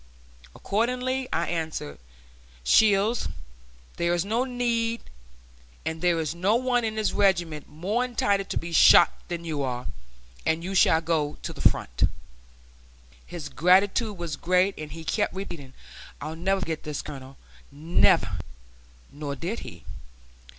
Accordingly I answered: "Shields, there is no one in this regiment more entitled to be shot than you are, and you shall go to the front." His gratitude was great, and he kept repeating, "I'll never forget this, Colonel, never." Nor did he.